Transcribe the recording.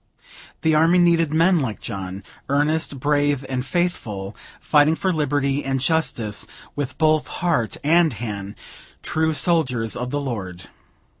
The army needed men like John, earnest, brave, and faithful; fighting for liberty and justice with both heart and hand, true soldiers of the Lord.